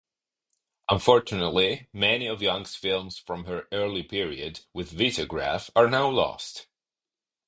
Unfortunately, many of Young's films from her early period with Vitagraph are now lost.